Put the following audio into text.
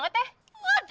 lo dasar gimana sih